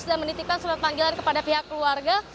sudah menitipkan surat panggilan kepada pihak keluarga